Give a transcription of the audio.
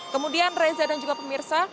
kemudian reza dan juga pemirsa